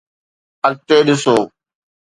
اڳتي ڏسو